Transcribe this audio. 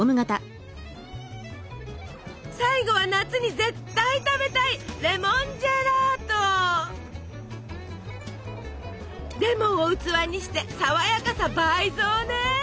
最後は夏に絶対食べたいレモンを器にしてさわやかさ倍増ね。